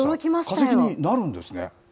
化石になるんですね。